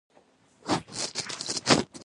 زړورتیا د روح ښکلا ده.